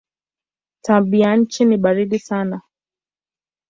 Tabianchi ni baridi sana.